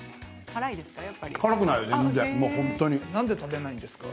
辛いですか？